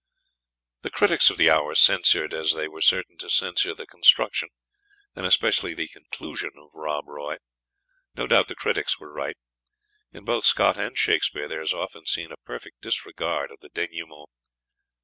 The critics of the hour censured, as they were certain to censure, the construction, and especially the conclusion, of "Rob Roy." No doubt the critics were right. In both Scott and Shakspeare there is often seen a perfect disregard of the denouement.